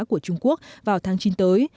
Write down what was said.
của trung quốc vào tháng chín tới